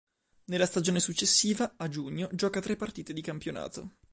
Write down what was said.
Nella stagione successiva, a giugno, gioca tre partite di campionato.